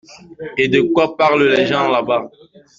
Et de quoi parlent les gens là-bas?